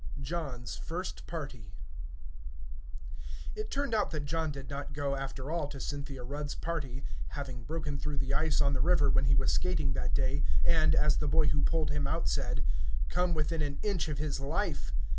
JOHN'S FIRST PARTY It turned out that John did not go after all to Cynthia Rudd's party, having broken through the ice on the river when he was skating that day, and, as the boy who pulled him out said, "come within an inch of his life."